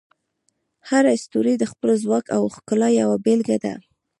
هر ستوری د خپل ځواک او ښکلا یوه بیلګه ده.